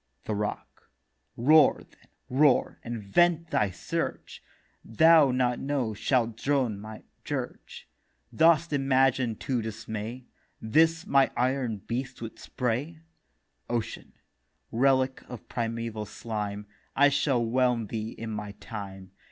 THE ROCK: 'Roar, then, roar, and vent thy Surge; Thou not now shalt drone my dirge. Dost imagine to dismay This my iron breast with Spray?' OCEAN: 'Relic of primeval Slime, I shall whelm thee in my time.